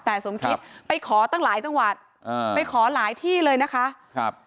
แต่สมคิดไปขอตั้งหลายจังหวัดอ่าไปขอหลายที่เลยนะคะครับ